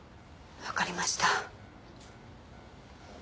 わかりました。